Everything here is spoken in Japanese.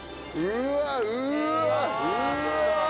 うわうわ！